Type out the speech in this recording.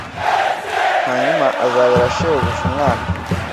hanyuma azabera shebuja umwana